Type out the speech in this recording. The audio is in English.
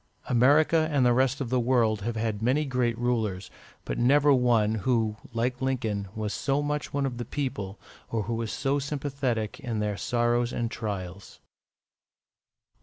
America and the rest of the world have had many great rulers, but never one who, like Lincoln, was so much one of the people, or who was so sympathetic in their sorrows and trials.